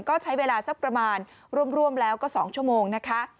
ก็ใช้เวลาสักประมาณร่วมแล้วก็๒ชั่วโมงนะคะ